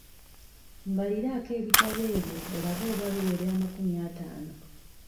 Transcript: Mbaliraako ebitabo ebyo olabe oba biwera amakumi ataano.